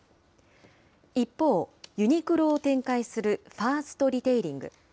一方、ユニクロを展開するファーストリテイリング。